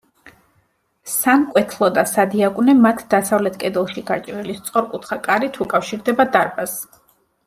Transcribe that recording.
სამკვეთლო და სადიაკვნე მათ დასავლეთ კედელში გაჭრილი სწორკუთხა კარით უკავშირდება დარბაზს.